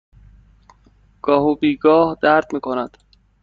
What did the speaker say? گاه و بیگاه درد می کند.